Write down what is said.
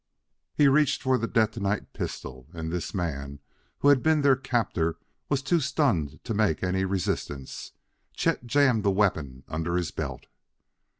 He reached for the detonite pistol, and this man who had been their captor was too stunned to make any resistance. Chet jammed the weapon under his belt.